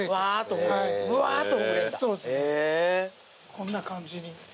こんな感じに。